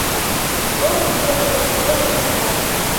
Кок велым — кок сумка.